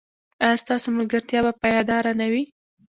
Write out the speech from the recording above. ایا ستاسو ملګرتیا به پایداره نه وي؟